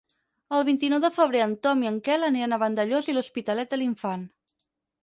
El vint-i-nou de febrer en Ton i en Quel aniran a Vandellòs i l'Hospitalet de l'Infant.